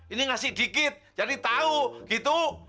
ini ngasih dikit jadi tahu gitu